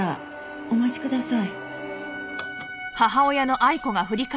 お待ちください。